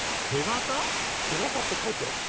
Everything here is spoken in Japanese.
「手型」って書いてあるし。